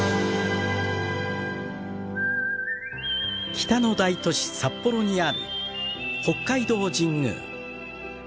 北の大都市札幌にある北海道神宮。